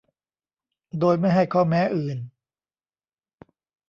โดยไม่ให้ข้อแม้อื่น